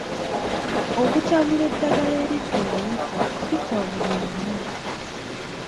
Okutabula eddagala eritta obuwuka si kwa buli omu.